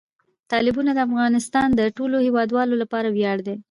تالابونه د افغانستان د ټولو هیوادوالو لپاره ویاړ دی.